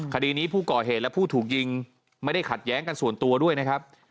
คดีนี้ผู้ก่อเหตุและผู้ถูกยิงไม่ได้ขัดแย้งกันส่วนตัวด้วยนะครับ